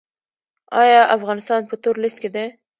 آیا افغانستان په تور لیست کې دی؟